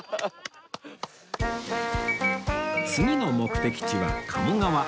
次の目的地は鴨川